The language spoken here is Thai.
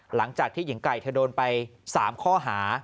หลังจากที่หญิงไก่เธอโดนไป๓ข้อหา